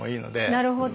なるほど。